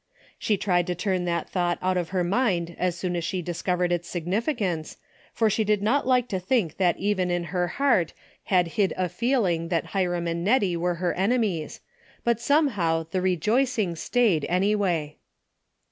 She tried to turn that thought out of her mind as soon as she dis covered its significance, for she did not like to think that even in her heart had hid a feeling that Hiram and Xettie were her enemies, but somehow the rejoicing stayed anyway.